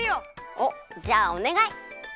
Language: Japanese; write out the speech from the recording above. おっじゃあおねがい！